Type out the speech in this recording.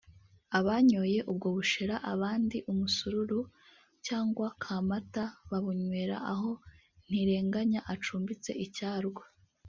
Abanyoye ubwo bushera abandi umusururu cyangwa kamata babunywereye aho Ntirenganya acumbitse i Cyarwa